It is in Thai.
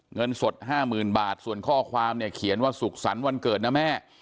เงินสด๕๐๐๐บาทส่วนข้อความเนี่ยเขียนว่าสุขสรรค์วันเกิดนะแม่